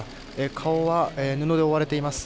顔は布で覆われています。